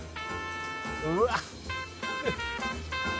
「うわっ」